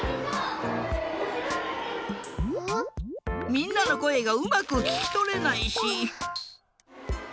みんなのこえがうまくききとれないし。